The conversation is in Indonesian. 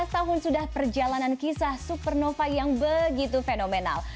empat belas tahun sudah perjalanan kisah supernova yang begitu fenomenal